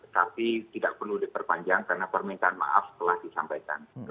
tapi tidak perlu diperpanjang karena permintaan maaf telah disampaikan